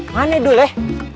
mana dul eh